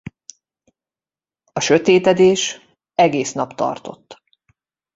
A sötétedés egész nap tartott.